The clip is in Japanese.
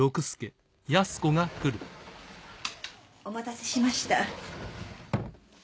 お待たせしました。